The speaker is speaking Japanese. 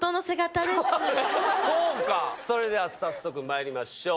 そうかそれでは早速まいりましょう。